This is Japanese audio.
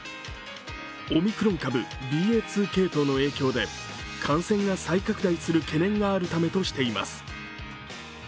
オミクロン株ＢＡ．２系統の影響で感染が再拡大する懸念があるためとしています。